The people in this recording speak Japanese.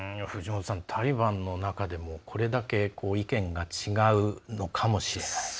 タリバンの中でもこれだけ意見が違うのかもしれない。